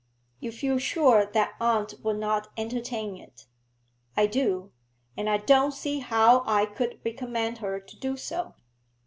'You feel sure that aunt would not entertain it?' 'I do. And I don't see how I could recommend her to do so.'